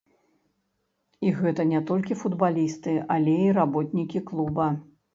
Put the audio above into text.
І гэта не толькі футбалісты, але і работнікі клуба.